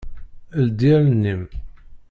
Ldi allen-im.